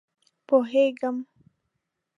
_پوهېږم.